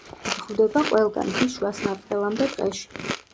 გვხვდება ყველგან მთის შუა სარტყელამდე ტყეში.